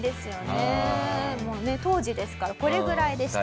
当時ですからこれぐらいでした。